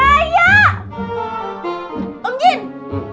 kita gak buat disini